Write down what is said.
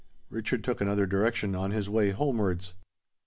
Richard took another direction on his way homewards.